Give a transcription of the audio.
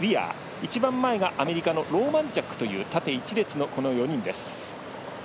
一番前がアメリカのローマンチャックという縦一列のこの４人です。